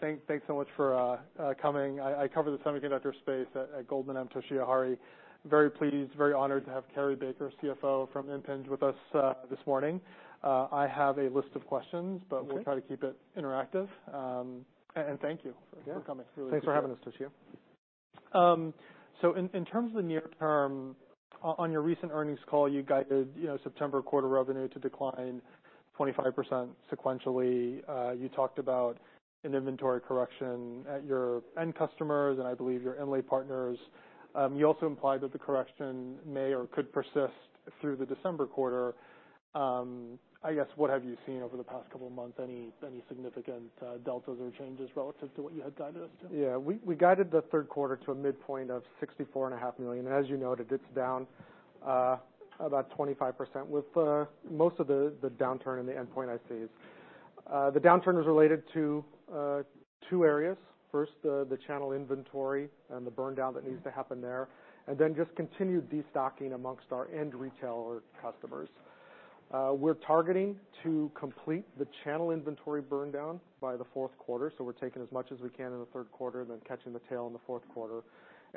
Thanks so much for coming. I cover the semiconductor space at Goldman. I'm Toshiya. Very pleased, very honored to have Cary Baker, CFO from Impinj, with us this morning. I have a list of questions- Okay. We'll try to keep it interactive. And thank you for coming. Yeah. Thanks for having us, Toshiya. So in terms of the near term, on your recent earnings call, you guided, you know, September quarter revenue to decline 25% sequentially. You talked about an inventory correction at your end customers, and I believe your inlay partners. You also implied that the correction may or could persist through the December quarter. I guess, what have you seen over the past couple of months? Any significant deltas or changes relative to what you had guided us to? Yeah, we guided the third quarter to a midpoint of $64.5 million. As you noted, it's down about 25%, with most of the downturn in the endpoint ICs. The downturn was related to two areas. First, the channel inventory and the burn down that needs to happen there, and then just continued destocking amongst our end retailer customers. We're targeting to complete the channel inventory burn down by the fourth quarter, so we're taking as much as we can in the third quarter, and then catching the tail in the fourth quarter.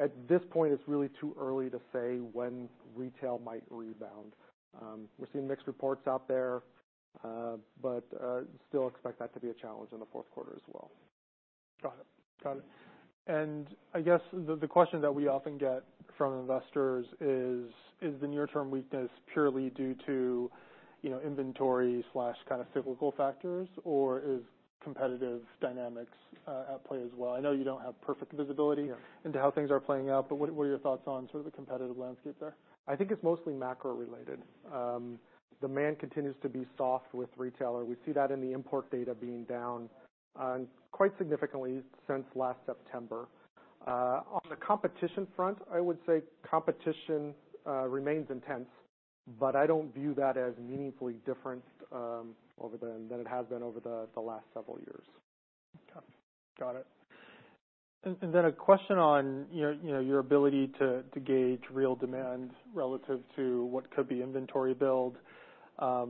At this point, it's really too early to say when retail might rebound. We're seeing mixed reports out there, but still expect that to be a challenge in the fourth quarter as well. Got it. Got it. And I guess the question that we often get from investors is: Is the near-term weakness purely due to, you know, inventory/kind of cyclical factors, or is competitive dynamics at play as well? I know you don't have perfect visibility- Yeah... into how things are playing out, but what, what are your thoughts on sort of the competitive landscape there? I think it's mostly macro related. Demand continues to be soft with retailer. We see that in the import data being down quite significantly since last September. On the competition front, I would say competition remains intense, but I don't view that as meaningfully different over than it has been over the last several years. Okay. Got it. And then a question on, you know, your ability to gauge real demand relative to what could be inventory build. A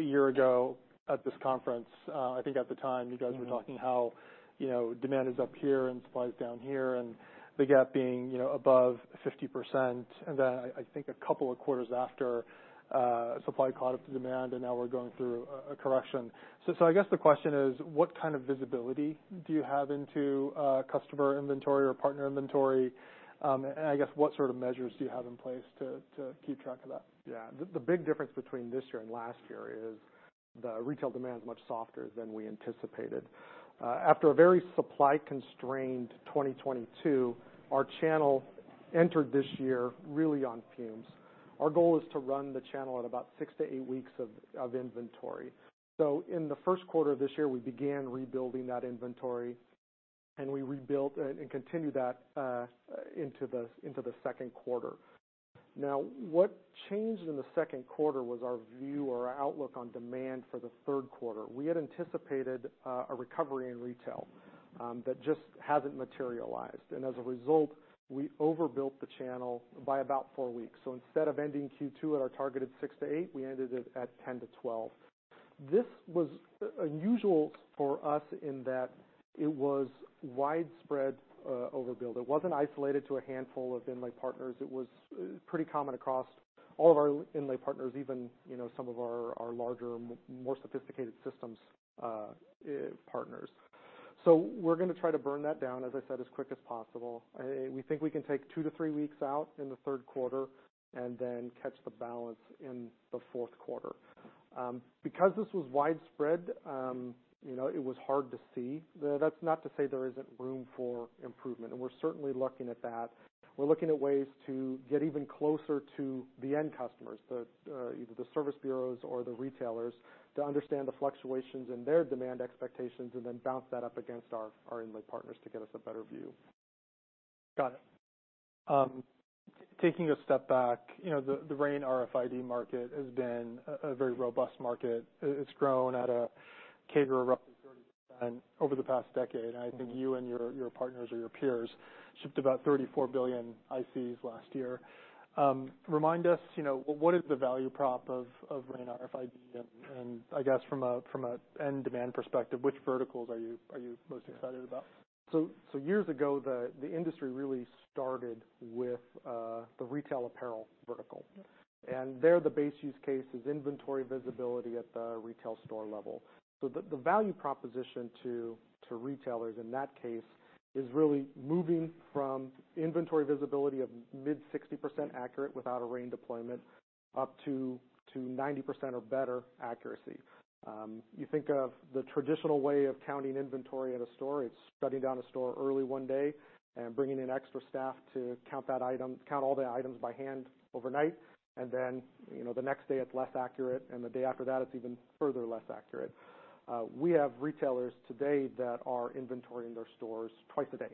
year ago, at this conference, I think at the time, you guys were talking how, you know, demand is up here and supply is down here, and the gap being, you know, above 50%. And then I think a couple of quarters after, supply caught up to demand, and now we're going through a correction. So I guess the question is: What kind of visibility do you have into customer inventory or partner inventory? And I guess what sort of measures do you have in place to keep track of that? Yeah. The big difference between this year and last year is the retail demand is much softer than we anticipated. After a very supply-constrained 2022, our channel entered this year really on fumes. Our goal is to run the channel at about six to eight weeks of inventory. So in the first quarter of this year, we began rebuilding that inventory, and we rebuilt and continued that into the second quarter. Now, what changed in the second quarter was our view or our outlook on demand for the third quarter. We had anticipated a recovery in retail that just hasn't materialized, and as a result, we overbuilt the channel by about four weeks. So instead of ending Q2 at our targeted six to eight, we ended it at 10 to 12. This was unusual for us in that it was widespread overbuild. It wasn't isolated to a handful of inlay partners. It was pretty common across all of our inlay partners, even, you know, some of our larger, more sophisticated systems partners. So we're gonna try to burn that down, as I said, as quick as possible. We think we can take two to three weeks out in the third quarter, and then catch the balance in the fourth quarter. Because this was widespread, you know, it was hard to see. That's not to say there isn't room for improvement, and we're certainly looking at that. We're looking at ways to get even closer to the end customers, either the service bureaus or the retailers, to understand the fluctuations in their demand expectations, and then bounce that up against our inlay partners to get us a better view. Got it. Taking a step back, you know, the RAIN RFID market has been a very robust market. It's grown at a CAGR of roughly 30% over the past decade. I think you and your partners or your peers shipped about 34 billion ICs last year. Remind us, you know, what is the value prop of RAIN RFID, and I guess from a end demand perspective, which verticals are you most excited about? So years ago, the industry really started with the retail apparel vertical. Yeah. There, the base use case is inventory visibility at the retail store level. So the value proposition to retailers in that case is really moving from inventory visibility of mid-60% accurate without a RAIN deployment, up to 90% or better accuracy. You think of the traditional way of counting inventory at a store, it's shutting down a store early one day and bringing in extra staff to count that item, count all the items by hand overnight, and then, you know, the next day it's less accurate, and the day after that, it's even further less accurate. We have retailers today that are inventorying their stores twice a day.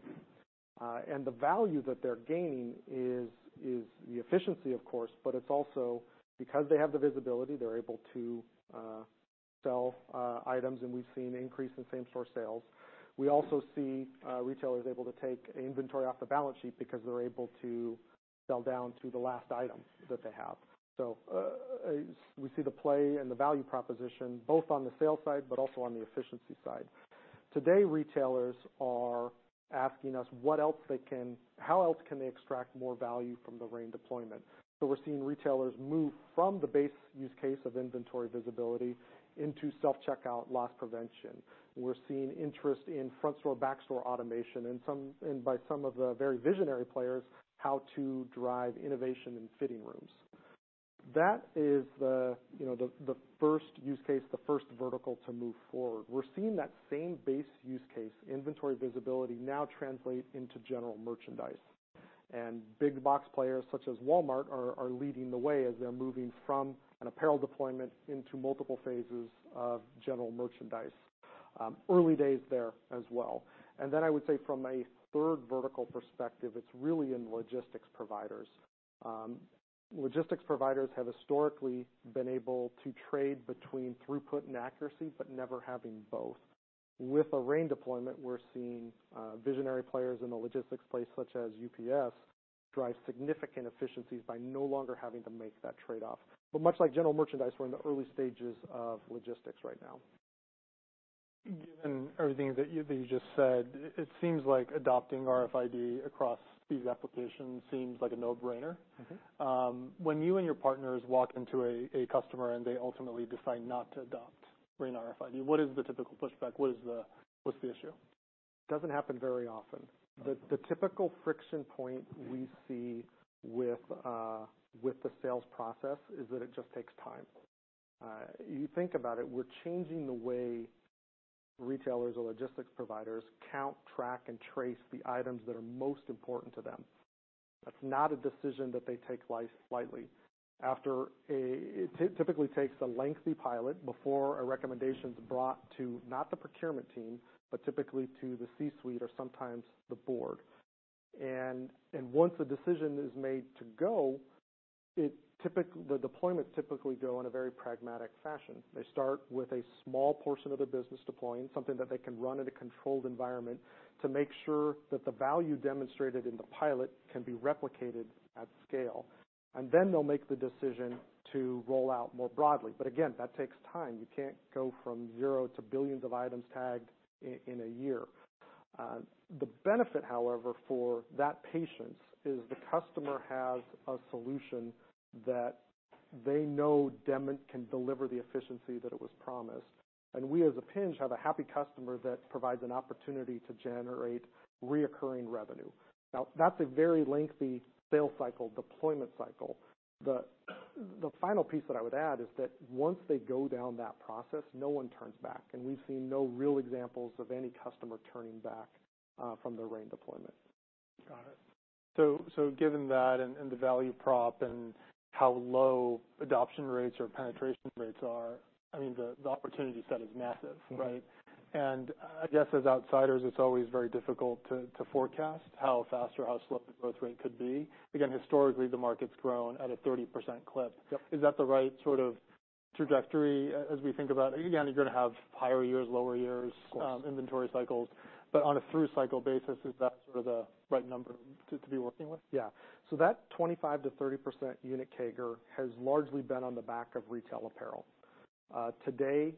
And the value that they're gaining is the efficiency, of course, but it's also because they have the visibility, they're able to sell items, and we've seen an increase in same-store sales. We also see retailer is able to take inventory off the balance sheet because they're able to sell down to the last item that they have. So, we see the play and the value proposition, both on the sales side, but also on the efficiency side. Today, retailers are asking us what else they can, how else can they extract more value from the RAIN deployment? So we're seeing retailers move from the base use case of inventory visibility into self-checkout loss prevention. We're seeing interest in front store, back store automation, and some, and by some of the very visionary players, how to drive innovation in fitting rooms. That is, you know, the first use case, the first vertical to move forward. We're seeing that same base use case, inventory visibility, now translate into general merchandise. And big box players, such as Walmart, are leading the way as they're moving from an apparel deployment into multiple phases of general merchandise. Early days there as well. And then I would say from a third vertical perspective, it's really in logistics providers. Logistics providers have historically been able to trade between throughput and accuracy, but never having both. With a RAIN deployment, we're seeing visionary players in the logistics space, such as UPS, drive significant efficiencies by no longer having to make that trade-off. But much like general merchandise, we're in the early stages of logistics right now. Given everything that you just said, it seems like adopting RFID across these applications seems like a no-brainer. Mm-hmm. When you and your partners walk into a customer, and they ultimately decide not to adopt RAIN RFID, what is the typical pushback? What is the issue? Doesn't happen very often. The typical friction point we see with the sales process is that it just takes time. You think about it, we're changing the way retailers or logistics providers count, track, and trace the items that are most important to them. That's not a decision that they take lightly. It typically takes a lengthy pilot before a recommendation's brought to, not the procurement team, but typically to the C-suite or sometimes the board. And once a decision is made to go, the deployments typically go in a very pragmatic fashion. They start with a small portion of the business deploying, something that they can run in a controlled environment, to make sure that the value demonstrated in the pilot can be replicated at scale, and then they'll make the decision to roll out more broadly. But again, that takes time. You can't go from zero to billions of items tagged in a year. The benefit, however, for that patience is the customer has a solution that they know can deliver the efficiency that it was promised. And we, as Impinj, have a happy customer that provides an opportunity to generate recurring revenue. Now, that's a very lengthy sales cycle, deployment cycle. The final piece that I would add is that once they go down that process, no one turns back, and we've seen no real examples of any customer turning back from their RAIN deployment. Got it. So given that and the value prop and how low adoption rates or penetration rates are, I mean, the opportunity set is massive, right? Mm-hmm. I guess as outsiders, it's always very difficult to forecast how fast or how slow the growth rate could be. Again, historically, the market's grown at a 30% clip. Yep. Is that the right sort of trajectory as we think about... Again, you're going to have higher years, lower years- Of course. inventory cycles, but on a through-cycle basis, is that sort of the right number to, to be working with? Yeah. So that 25% to 30% unit CAGR has largely been on the back of retail apparel. Today,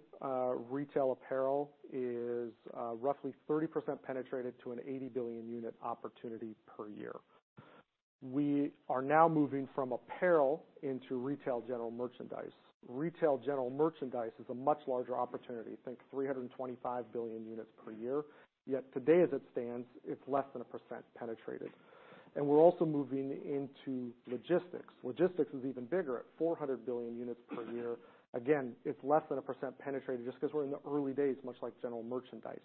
retail apparel is roughly 30% penetrated to an 80 billion unit opportunity per year. We are now moving from apparel into retail general merchandise. Retail general merchandise is a much larger opportunity. Think 325 billion units per year. Yet today, as it stands, it's less than 1% penetrated. And we're also moving into logistics. Logistics is even bigger at 400 billion units per year. Again, it's less than 1% penetrated just because we're in the early days, much like general merchandise.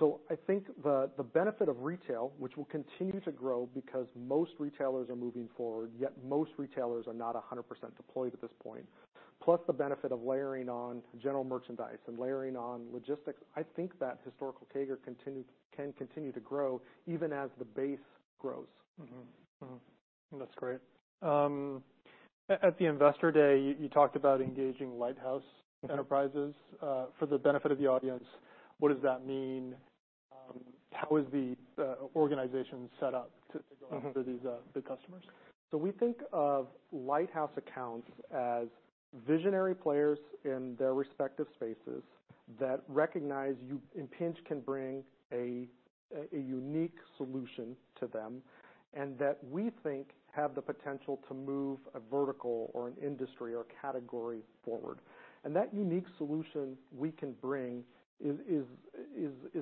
So I think the benefit of retail, which will continue to grow because most retailers are moving forward, yet most retailers are not 100% deployed at this point, plus the benefit of layering on general merchandise and layering on logistics, I think that historical CAGR can continue to grow even as the base grows. Mm-hmm. Mm-hmm. That's great. At the Investor Day, you talked about engaging lighthouse enterprises. Mm-hmm. For the benefit of the audience, what does that mean? How is the organization set up to- Mm-hmm... to go after these, the customers? So we think of lighthouse accounts as visionary players in their respective spaces that recognize Impinj can bring a unique solution to them, and that, we think, have the potential to move a vertical or an industry or category forward. That unique solution we can bring is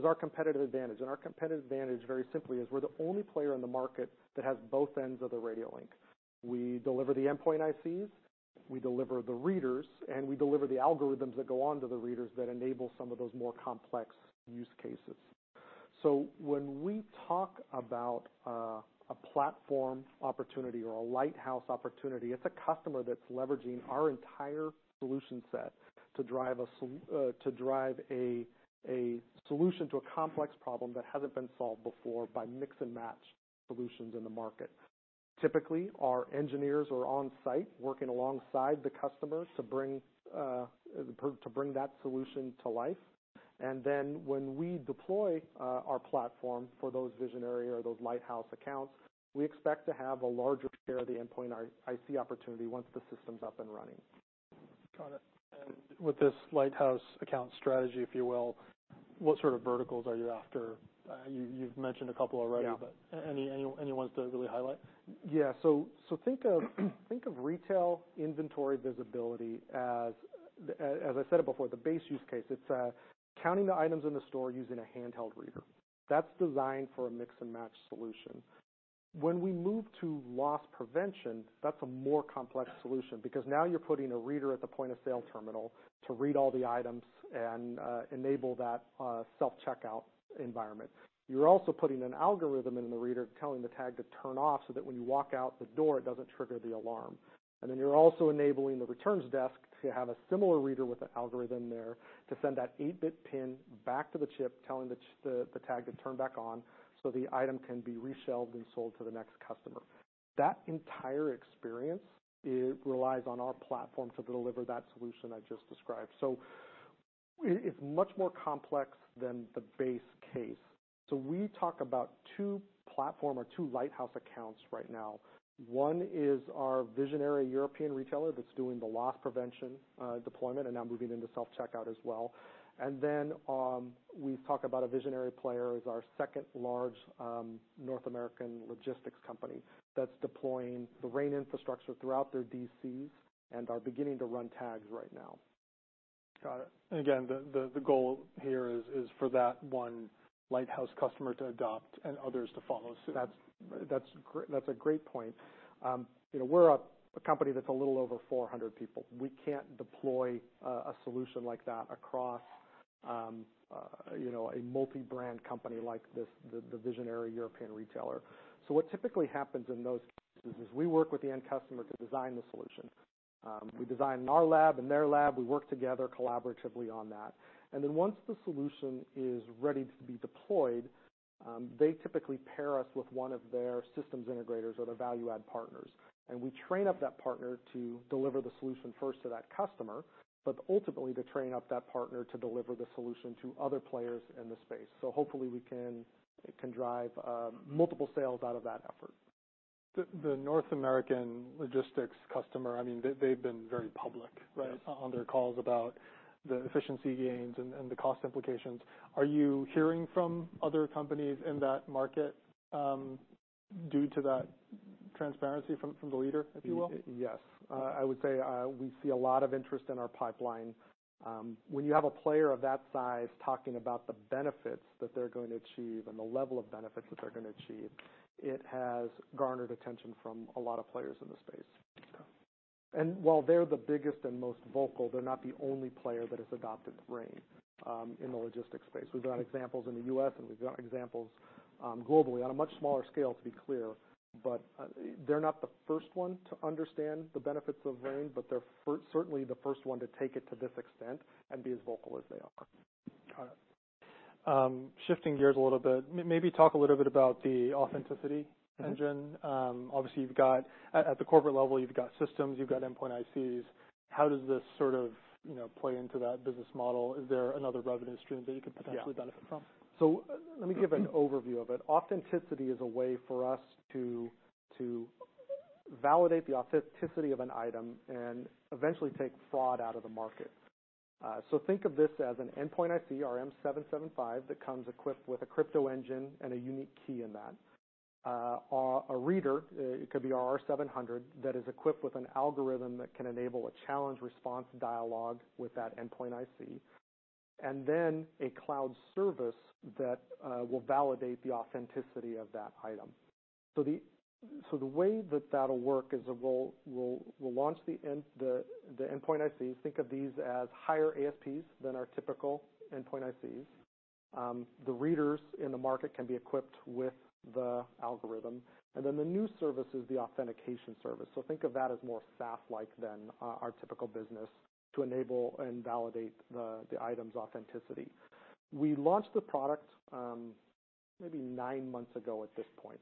our competitive advantage. Our competitive advantage, very simply, is we're the only player in the market that has both ends of the radio link. We deliver the endpoint ICs, we deliver the readers, and we deliver the algorithms that go on to the readers that enable some of those more complex use cases. So when we talk about a platform opportunity or a lighthouse opportunity, it's a customer that's leveraging our entire solution set to drive a sol... to drive a solution to a complex problem that hasn't been solved before by mix and match solutions in the market... Typically, our engineers are on site working alongside the customer to bring that solution to life. And then when we deploy our platform for those visionary or those lighthouse accounts, we expect to have a larger share of the Endpoint IC opportunity once the system's up and running. Got it. And with this lighthouse account strategy, if you will, what sort of verticals are you after? You've mentioned a couple already- Yeah. But any ones to really highlight? Yeah. So, think of retail inventory visibility as, as I said it before, the base use case, it's counting the items in the store using a handheld reader. That's designed for a mix-and-match solution. When we move to loss prevention, that's a more complex solution, because now you're putting a reader at the point-of-sale terminal to read all the items and enable that self-checkout environment. You're also putting an algorithm in the reader, telling the tag to turn off, so that when you walk out the door, it doesn't trigger the alarm. And then you're also enabling the returns desk to have a similar reader with an algorithm there, to send that 8-bit PIN back to the chip, telling the tag to turn back on, so the item can be reshelved and sold to the next customer. That entire experience, it relies on our platform to deliver that solution I just described. So it, it's much more complex than the base case. So we talk about two platform or two lighthouse accounts right now. One is our visionary European retailer, that's doing the loss prevention deployment, and now moving into self-checkout as well. And then, we talk about a visionary player as our second large North American logistics company, that's deploying the RAIN infrastructure throughout their DCs, and are beginning to run tags right now. Got it. And again, the goal here is for that one lighthouse customer to adopt and others to follow suit. That's, that's great - that's a great point. You know, we're a company that's a little over 400 people. We can't deploy a solution like that across you know, a multi-brand company like this, the visionary European retailer. So what typically happens in those cases is we work with the end customer to design the solution. We design in our lab, in their lab, we work together collaboratively on that. And then once the solution is ready to be deployed, they typically pair us with one of their systems integrators or their value-add partners. And we train up that partner to deliver the solution first to that customer, but ultimately, to train up that partner to deliver the solution to other players in the space. So hopefully, we can, it can drive multiple sales out of that effort. The North American logistics customer, I mean, they've been very public, right? Yes... on their calls about the efficiency gains and the cost implications. Are you hearing from other companies in that market, due to that transparency from the leader, if you will? Yes. I would say, we see a lot of interest in our pipeline. When you have a player of that size, talking about the benefits that they're going to achieve and the level of benefits that they're going to achieve, it has garnered attention from a lot of players in the space. Okay. And while they're the biggest and most vocal, they're not the only player that has adopted RAIN in the logistics space. We've got examples in the U.S., and we've got examples globally, on a much smaller scale, to be clear, but they're not the first one to understand the benefits of RAIN, but they're certainly the first one to take it to this extent and be as vocal as they are. Got it. Shifting gears a little bit, maybe talk a little bit about the authenticity engine. Mm-hmm. Obviously, you've got at the corporate level, you've got systems, you've got endpoint ICs. How does this sort of, you know, play into that business model? Is there another revenue stream that you could potentially benefit from? Yeah. So let me give an overview of it. Authenticity is a way for us to validate the authenticity of an item and eventually take fraud out of the market. So think of this as an Endpoint IC, our M775, that comes equipped with a crypto engine and a unique key in that. A reader, it could be our R700, that is equipped with an algorithm that can enable a challenge-response dialogue with that Endpoint IC, and then a cloud service that will validate the authenticity of that item. So the way that that'll work is we'll launch the Endpoint IC. Think of these as higher ASPs than our typical Endpoint ICs. The readers in the market can be equipped with the algorithm. And then the new service is the authentication service. So think of that as more SaaS-like than our typical business, to enable and validate the item's authenticity. We launched the product maybe nine months ago at this point.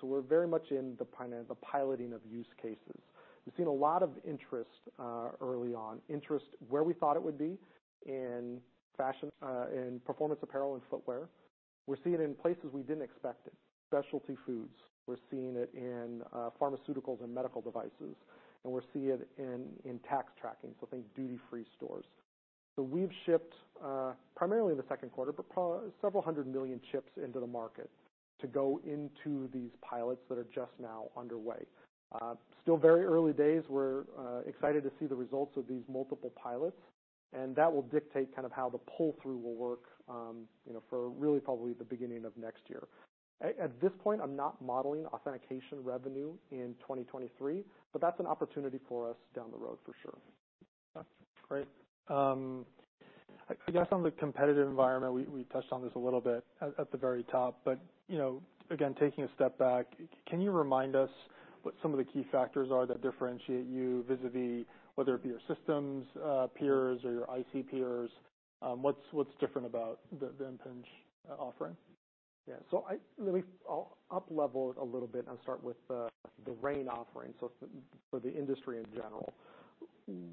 So we're very much in the piloting of use cases. We've seen a lot of interest early on, interest where we thought it would be, in fashion in performance apparel and footwear. We're seeing it in places we didn't expect it, specialty foods. We're seeing it in pharmaceuticals and medical devices, and we're seeing it in tax tracking, so think duty-free stores. So we've shipped primarily in the second quarter, but several hundred million chips into the market to go into these pilots that are just now underway. Still very early days, we're excited to see the results of these multiple pilots, and that will dictate kind of how the pull-through will work, you know, for really probably the beginning of next year. At this point, I'm not modeling authentication revenue in 2023, but that's an opportunity for us down the road for sure. Okay, great. I guess on the competitive environment, we touched on this a little bit at the very top, but, you know, again, taking a step back, can you remind us what some of the key factors are that differentiate you, vis-a-vis, whether it be your systems, peers or your IC peers? What's different about the Impinj offering? Yeah. So let me, I'll up level it a little bit and start with the RAIN offering, so for the industry in general.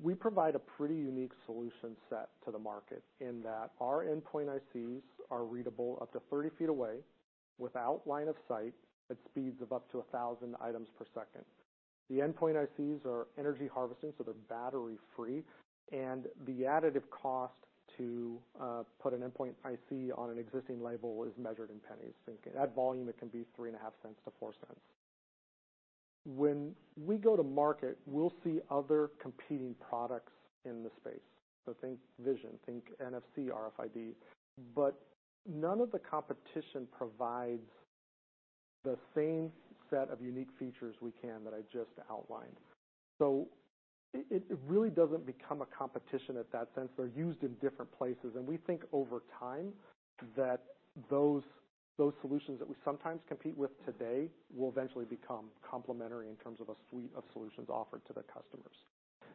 We provide a pretty unique solution set to the market in that our endpoint ICs are readable up to 30 ft away, without line of sight, at speeds of up to 1,000 items per second. The endpoint ICs are energy harvesting, so they're battery free, and the additive cost to put an endpoint IC on an existing label is measured in pennies. At volume, it can be $0.035 to $0.04. When we go to market, we'll see other competing products in the space. So think vision, think NFC, RFID, but none of the competition provides the same set of unique features we can, that I just outlined. So it really doesn't become a competition in that sense. They're used in different places, and we think over time, that those solutions that we sometimes compete with today, will eventually become complementary in terms of a suite of solutions offered to the customers.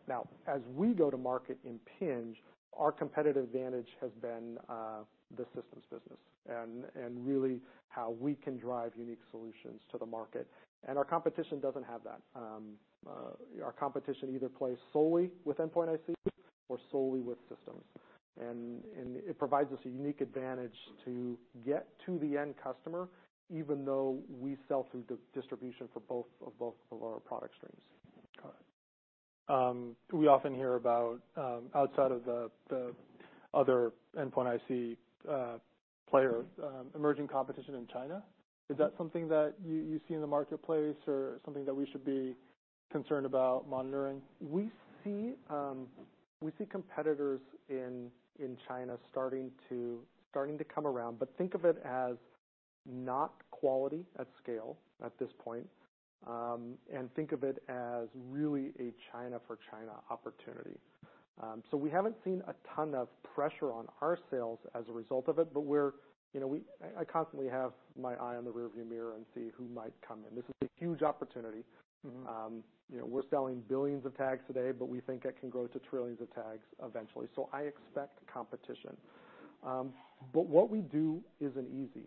Now, as we go to market Impinj, our competitive advantage has been the systems business and really, how we can drive unique solutions to the market. And our competition doesn't have that. Our competition either plays solely with endpoint IC or solely with systems. And it provides us a unique advantage to get to the end customer, even though we sell through distribution for both of our product streams. Got it. We often hear about outside of the other Endpoint IC players emerging competition in China. Is that something that you see in the marketplace or something that we should be concerned about monitoring? We see competitors in China starting to come around, but think of it as not quality at scale at this point, and think of it as really a China for China opportunity. So we haven't seen a ton of pressure on our sales as a result of it, but we're, you know, I constantly have my eye on the rearview mirror and see who might come in. This is a huge opportunity. Mm-hmm. You know, we're selling billions of tags today, but we think it can grow to trillions of tags eventually. So I expect competition. But what we do isn't easy.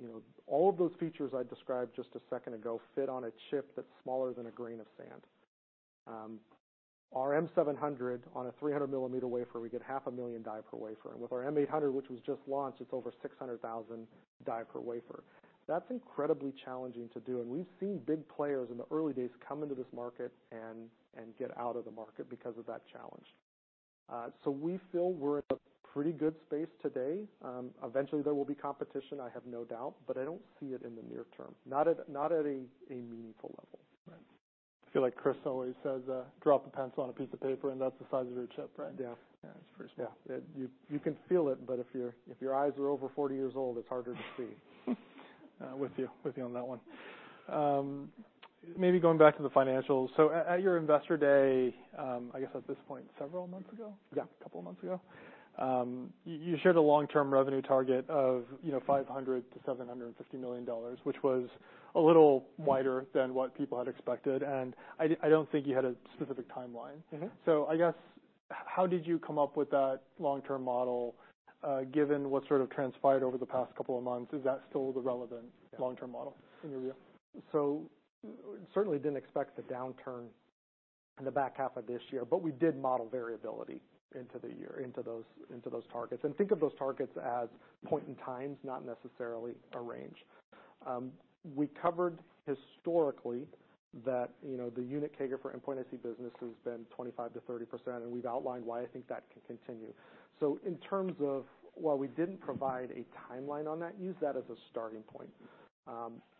You know, all of those features I described just a second ago, fit on a chip that's smaller than a grain of sand. Our M700, on a 300 mm wafer, we get 500,000 die per wafer. And with our M800, which was just launched, it's over 600,000 die per wafer. That's incredibly challenging to do, and we've seen big players in the early days come into this market and get out of the market because of that challenge. So we feel we're in a pretty good space today. Eventually, there will be competition, I have no doubt, but I don't see it in the near term, not at a meaningful level. Right. I feel like Chris always says, "Drop a pencil on a piece of paper, and that's the size of your chip," right? Yeah. Yeah, it's pretty small. Yeah. You can feel it, but if your eyes are over 40 years old, it's harder to see. With you, with you on that one. Maybe going back to the financials. So at your Investor Day, I guess at this point, several months ago? Yeah. A couple of months ago, you shared a long-term revenue target of, you know, $500 million to $750 million, which was a little wider than what people had expected, and I don't think you had a specific timeline. Mm-hmm. So I guess, how did you come up with that long-term model, given what sort of transpired over the past couple of months, is that still the relevant- Yeah... long-term model in your view? So certainly didn't expect the downturn in the back half of this year, but we did model variability into the year, into those, into those targets. And think of those targets as point in times, not necessarily a range. We covered historically that, you know, the unit CAGR for Endpoint IC business has been 25% to 30%, and we've outlined why I think that can continue. So in terms of, while we didn't provide a timeline on that, use that as a starting point.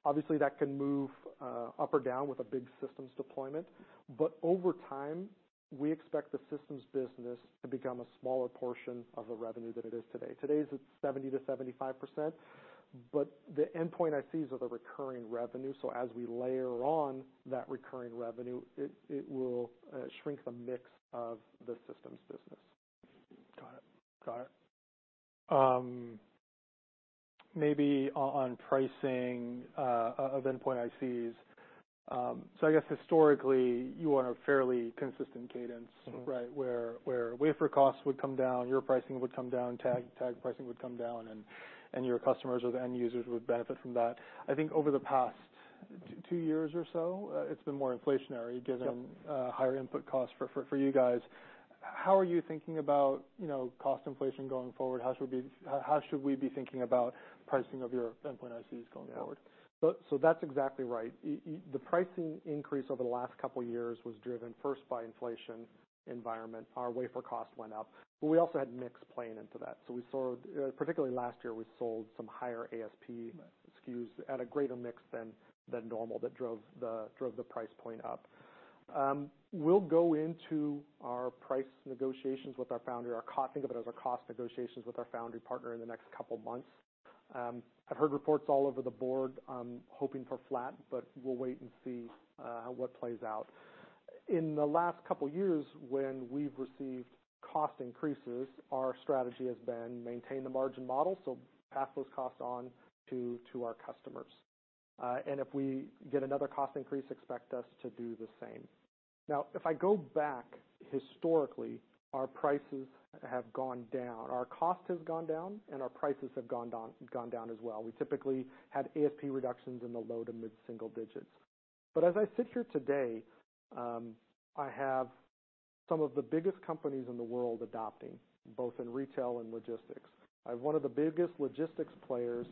Obviously, that can move up or down with a big systems deployment, but over time, we expect the systems business to become a smaller portion of the revenue than it is today. Today, it's at 70% to 75%, but the endpoint ICs are the recurring revenue, so as we layer on that recurring revenue, it will shrink the mix of the systems business. Got it. Got it. Maybe on pricing of Endpoint ICs. So I guess historically, you are a fairly consistent cadence- Mm-hmm... right? Where wafer costs would come down, your pricing would come down, tag pricing would come down, and your customers or the end users would benefit from that. I think over the past two years or so, it's been more inflationary, given- Yep... higher input costs for you guys. How are you thinking about, you know, cost inflation going forward? How should we be thinking about pricing of your Endpoint ICs going forward? Yeah. So, so that's exactly right. The pricing increase over the last couple of years was driven first by inflation environment. Our wafer cost went up, but we also had mix playing into that. So we sold, particularly last year, we sold some higher ASP- Right... SKUs at a greater mix than normal, that drove the price point up. We'll go into our price negotiations with our foundry partner, think of it as our cost negotiations with our foundry partner in the next couple of months. I've heard reports all over the board. I'm hoping for flat, but we'll wait and see what plays out. In the last couple of years, when we've received cost increases, our strategy has been maintain the margin model, so pass those costs on to our customers. And if we get another cost increase, expect us to do the same. Now, if I go back historically, our prices have gone down, our cost has gone down, and our prices have gone down as well. We typically had ASP reductions in the low to mid-single digits. But as I sit here today, I have some of the biggest companies in the world adopting, both in retail and logistics. I have one of the biggest logistics players,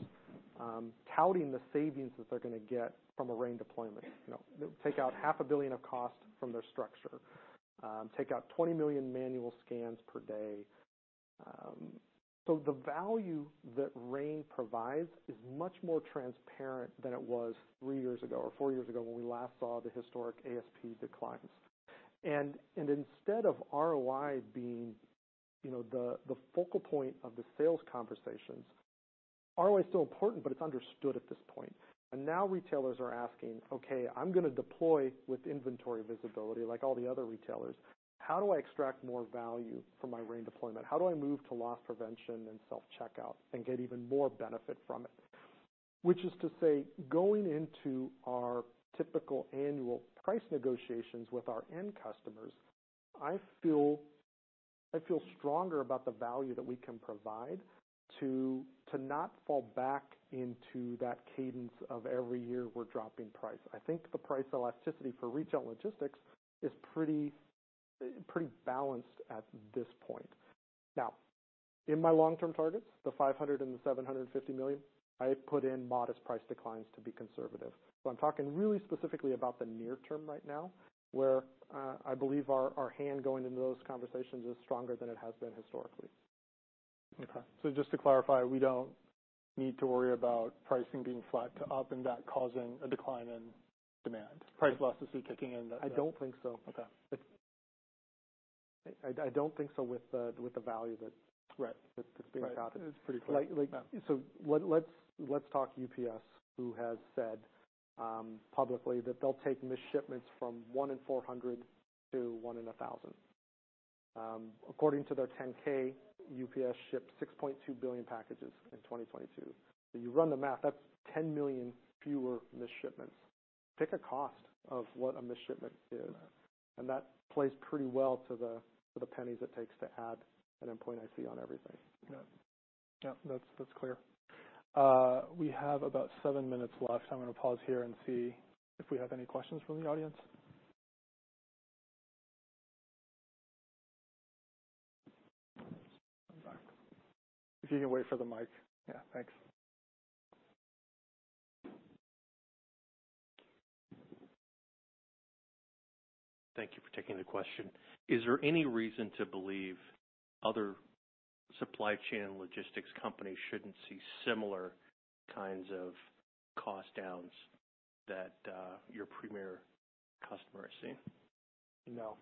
touting the savings that they're going to get from a RAIN deployment. You know, take out $500 million of cost from their structure, take out 20 million manual scans per day. So the value that RAIN provides is much more transparent than it was three years ago or four years ago, when we last saw the historic ASP declines. And instead of ROI being, you know, the focal point of the sales conversations, ROI is still important, but it's understood at this point. And now retailers are asking, "Okay, I'm going to deploy with inventory visibility, like all the other retailers, how do I extract more value from my RAIN deployment? How do I move to loss prevention and self-checkout and get even more benefit from it?" Which is to say, going into our typical annual price negotiations with our end customers, I feel, I feel stronger about the value that we can provide to not fall back into that cadence of every year we're dropping price. I think the price elasticity for retail logistics is pretty, pretty balanced at this point. Now, in my long-term targets, the $500 million and the $750 million, I put in modest price declines to be conservative. So I'm talking really specifically about the near term right now, where I believe our hand going into those conversations is stronger than it has been historically. Okay. So just to clarify, we don't need to worry about pricing being flat to up and that causing a decline in demand, price elasticity kicking in? I don't think so. Okay. I don't think so with the value that- Right. That's being brought. It's pretty clear. Let's talk UPS, who has said publicly that they'll take missed shipments from one in 400 to one in 1,000. According to their Form 10-K, UPS shipped 6.2 billion packages in 2022. So you run the math, that's 10 million fewer missed shipments. Take a cost of what a missed shipment is, and that plays pretty well to the pennies it takes to add an Endpoint IC on everything. Yeah. Yeah, that's clear. We have about seven minutes left. I'm going to pause here and see if we have any questions from the audience. If you can wait for the mic. Yeah, thanks. Thank you for taking the question. Is there any reason to believe other supply chain logistics companies shouldn't see similar kinds of cost downs that your premier customer is seeing? No.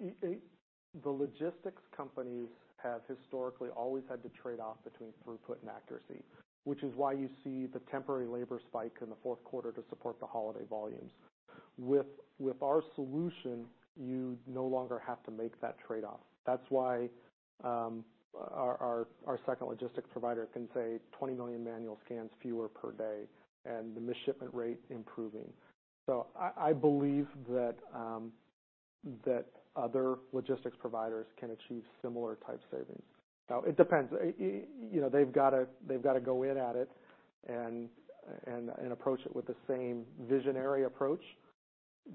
The logistics companies have historically always had to trade off between throughput and accuracy, which is why you see the temporary labor spike in the fourth quarter to support the holiday volumes. With our solution, you no longer have to make that trade-off. That's why our second logistics provider can say 20 million manual scans fewer per day, and the missed shipment rate improving. So I believe that other logistics providers can achieve similar type savings. Now, it depends. You know, they've got to go in at it and approach it with the same visionary approach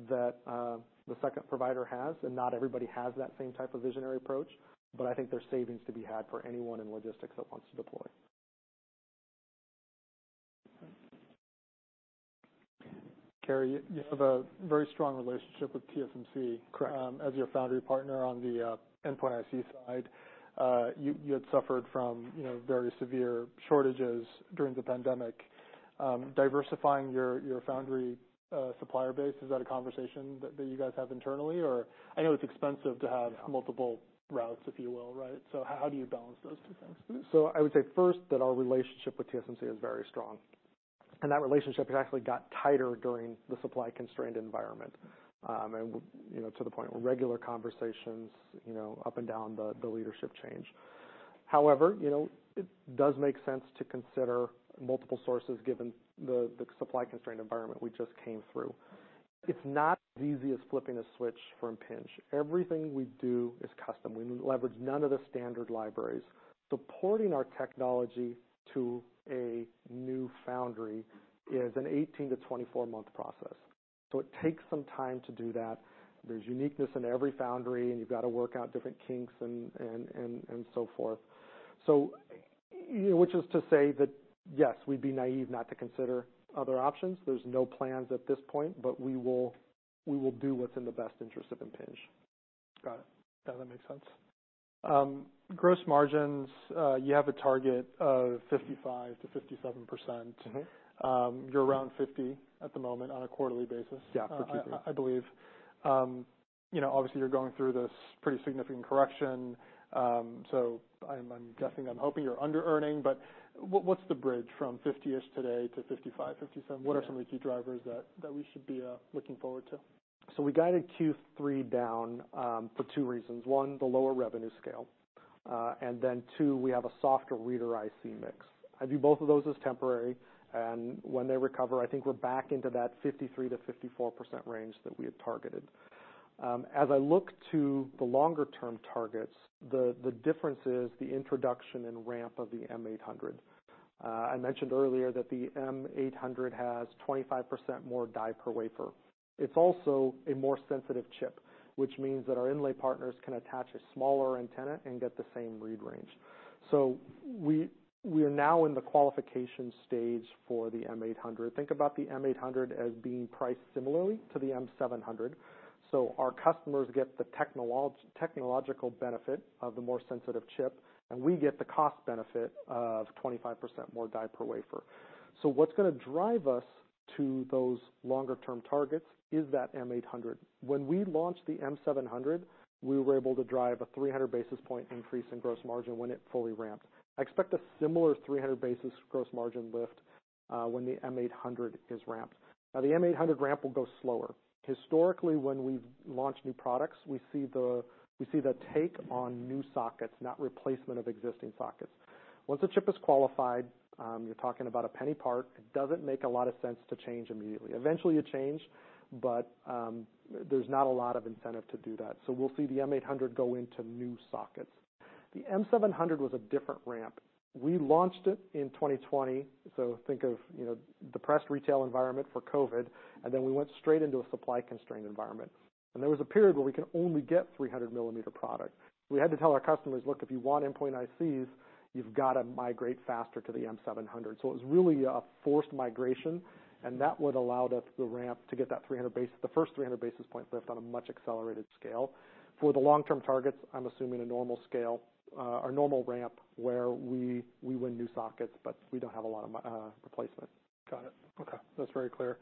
that the second provider has, and not everybody has that same type of visionary approach, but I think there's savings to be had for anyone in logistics that wants to deploy. Cary, you have a very strong relationship with TSMC- Correct. As your foundry partner on the Endpoint IC side. You had suffered from, you know, very severe shortages during the pandemic. Diversifying your foundry supplier base, is that a conversation that you guys have internally, or... I know it's expensive to have multiple routes, if you will, right? So how do you balance those two things? So I would say first, that our relationship with TSMC is very strong, and that relationship has actually got tighter during the supply-constrained environment. And, you know, to the point where regular conversations, you know, up and down the, the leadership chain. However, you know, it does make sense to consider multiple sources, given the, the supply constraint environment we just came through. It's not as easy as flipping a switch from Impinj. Everything we do is custom. We leverage none of the standard libraries. Supporting our technology to a new foundry is an 18 to 24-month process, so it takes some time to do that. There's uniqueness in every foundry, and you've got to work out different kinks and so forth. So, which is to say that, yes, we'd be naive not to consider other options. There's no plans at this point, but we will, we will do what's in the best interest of Impinj. Got it. That makes sense. Gross margins, you have a target of 55% to 57%. Mm-hmm. You're around 50 at the moment on a quarterly basis- Yeah, for Q3. I believe. You know, obviously, you're going through this pretty significant correction, so I'm guessing, I'm hoping you're under-earning, but what's the bridge from 50%-ish today to 55%, 57%? Yeah. What are some of the key drivers that we should be looking forward to? So we guided Q3 down for two reasons. One, the lower revenue scale, and then two, we have a softer reader IC mix. I view both of those as temporary, and when they recover, I think we're back into that 53%-54% range that we had targeted. As I look to the longer term targets, the difference is the introduction and ramp of the M800. I mentioned earlier that the M800 has 25% more die per wafer. It's also a more sensitive chip, which means that our inlay partners can attach a smaller antenna and get the same read range. So we are now in the qualification stage for the M800. Think about the M800 as being priced similarly to the M700. So our customers get the technological benefit of the more sensitive chip, and we get the cost benefit of 25% more die per wafer. So what's gonna drive us to those longer term targets is that M800. When we launched the M700, we were able to drive a 300 basis point increase in gross margin when it fully ramped. I expect a similar 300 basis point gross margin lift when the M800 is ramped. Now, the M800 ramp will go slower. Historically, when we've launched new products, we see the take on new sockets, not replacement of existing sockets. Once a chip is qualified, you're talking about a penny part, it doesn't make a lot of sense to change immediately. Eventually, you change, but there's not a lot of incentive to do that. So we'll see the M800 go into new sockets. The M700 was a different ramp. We launched it in 2020, so think of, you know, depressed retail environment for COVID, and then we went straight into a supply constrained environment. And there was a period where we could only get 300 mm product. We had to tell our customers: Look, if you want Endpoint ICs, you've got to migrate faster to the M700. So it was really a forced migration, and that would allow us the ramp to get that 300 basis point, the first 300 basis point lift on a much accelerated scale. For the long-term targets, I'm assuming a normal scale, or normal ramp, where we, we win new sockets, but we don't have a lot of, replacement. Got it. Okay, that's very clear.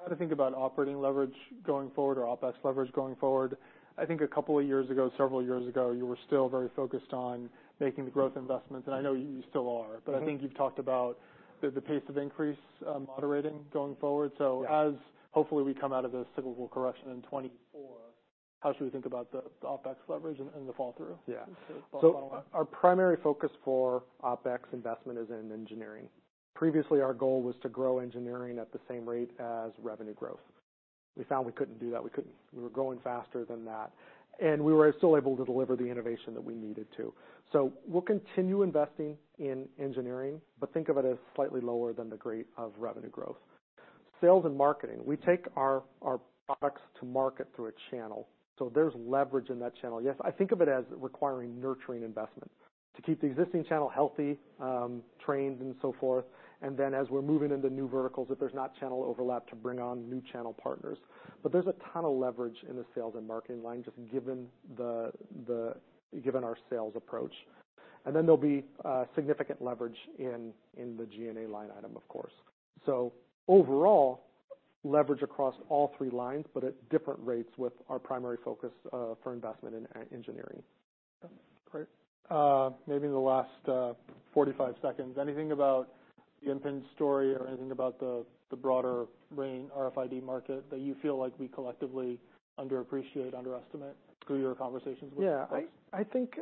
How to think about operating leverage going forward or OpEx leverage going forward? I think a couple of years ago, several years ago, you were still very focused on making the growth investments, and I know you still are. Mm-hmm. I think you've talked about the pace of increase moderating going forward. Yeah. So as, hopefully, we come out of this cyclical correction in 2024, how should we think about the OpEx leverage and the fall through? Yeah. I'll follow up. So our primary focus for OpEx investment is in engineering. Previously, our goal was to grow engineering at the same rate as revenue growth. We found we couldn't do that. We couldn't. We were growing faster than that, and we were still able to deliver the innovation that we needed to. So we'll continue investing in engineering, but think of it as slightly lower than the rate of revenue growth. Sales and marketing, we take our products to market through a channel, so there's leverage in that channel. Yes, I think of it as requiring nurturing investment to keep the existing channel healthy, trained, and so forth. And then, as we're moving into new verticals, if there's not channel overlap, to bring on new channel partners. But there's a ton of leverage in the sales and marketing line, just given the given our sales approach. And then there'll be significant leverage in the G&A line item, of course. So overall, leverage across all three lines, but at different rates with our primary focus for investment in engineering. Great. Maybe in the last 45 seconds, anything about the Impinj story or anything about the broader RAIN RFID market that you feel like we collectively underappreciate, underestimate through your conversations with folks? Yeah, I think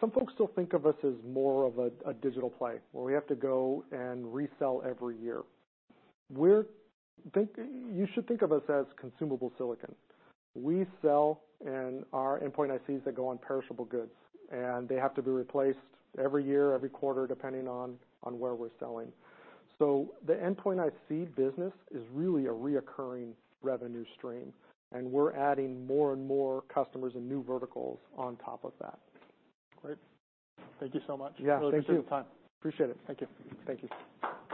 some folks still think of us as more of a digital play, where we have to go and resell every year. You should think of us as consumable silicon. We sell our endpoint ICs that go on perishable goods, and they have to be replaced every year, every quarter, depending on where we're selling. So the endpoint IC business is really a recurring revenue stream, and we're adding more and more customers and new verticals on top of that. Great. Thank you so much. Yeah, thank you. Really appreciate the time. Appreciate it. Thank you. Thank you.